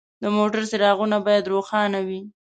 د موټر څراغونه باید روښانه وي.